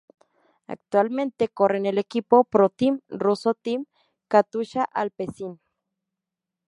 Actualmente corre en el equipo ProTeam ruso Team Katusha-Alpecin.